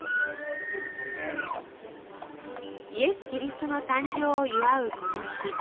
イエス・キリストの誕生を祝うこの日。